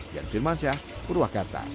dan firman saya berwakil